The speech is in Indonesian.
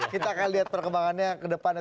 kita akan lihat perkembangannya ke depannya